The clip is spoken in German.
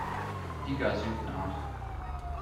Liga Süd nach.